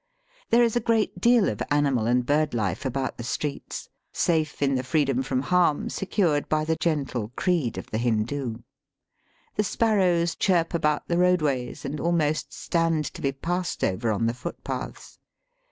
There is a great deal of animal and bird life about the streets, safe in the freedom from harm secured by the gentle creed of the Hindoo. The sparrows chirp about the road ways and almost stand to be passed over on the footpaths.